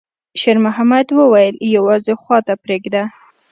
شېرمحمد وويل: «يوې خواته پرېږده.»